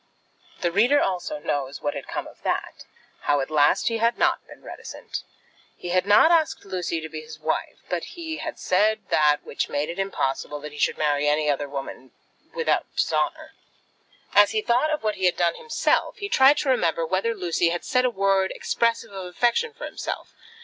The reader also knows what had come of that, how at last he had not been reticent. He had not asked Lucy to be his wife; but he had said that which made it impossible that he should marry any other woman without dishonour. As he thought of what he had done himself, he tried to remember whether Lucy had said a word expressive of affection for himself.